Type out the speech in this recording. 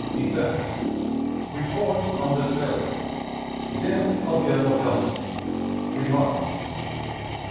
Effects. Reports on this Failure. Death of General Johnston. Remarks.